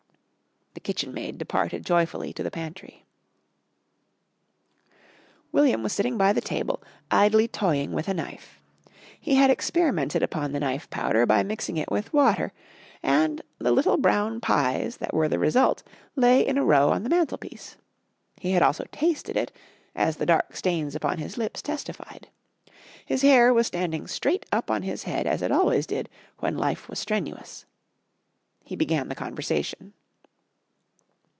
The kitchenmaid departed joyfully to the pantry. William was sitting by the table, idly toying with a knife. He had experimented upon the knife powder by mixing it with water, and the little brown pies that were the result lay in a row on the mantelpiece. He had also tasted it, as the dark stains upon his lips testified. His hair was standing straight up on his head as it always did when life was strenuous. He began the conversation.